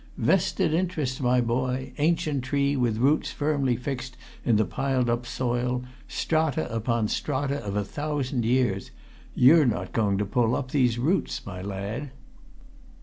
Vested interests, my boy! ancient tree, with roots firmly fixed in the piled up soil, strata upon strata, of a thousand years! You're not going to pull up these roots, my lad!"